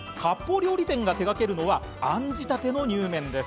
料理店が手がけるのはあん仕立てのにゅうめんです。